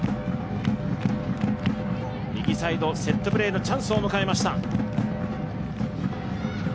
右サイド、セットプレーのチャンスを迎えました。